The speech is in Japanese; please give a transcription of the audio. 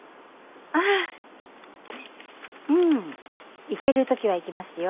ああうん行ける時は行きますよ。